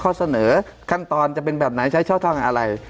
ข้อเสนอขั้นตอนจะเป็นแบบไหนใช้ช่องทางอะไร